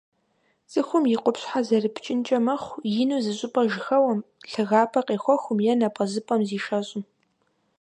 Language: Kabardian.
Цӏыхум и къупщхьэ зэрыпкӏынкӏэ мэхъу ину зыщӏыпӏэ жьэхэуэм, лъагапӏэ къехуэхым е напӏэзыпӏэм зишэщӏым.